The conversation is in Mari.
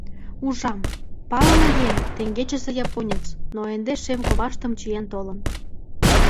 Ужам: палыме еҥ, теҥгечсе японец, но ынде шем коваштым «чиен толын».